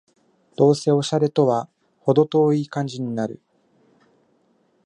どうせオシャレとはほど遠い感じになる